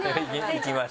いきます